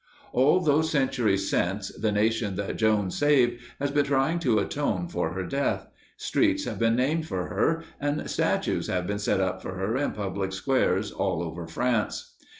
All those centuries since, the nation that Joan saved has been trying to atone for her death. Streets have been named for her and statues have been set up for her in public squares all over France.